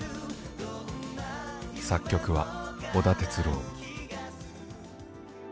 作曲は織田哲郎。